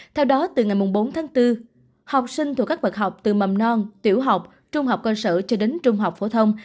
theo đó từ ngày bốn tháng bốn học sinh thuộc các bậc học từ mầm non tiểu học trung học cơ sở cho đến trung học phổ thông